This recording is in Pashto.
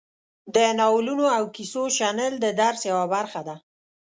د نالونو او کیسو شنل د درس یوه برخه ده.